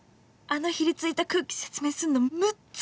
あのひりついた空気説明すんのむっず